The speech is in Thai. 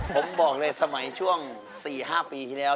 ผมบอกเลยสมัยช่วง๔๕ปีที่แล้ว